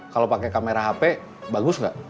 kalau pakai kamera hp bagus nggak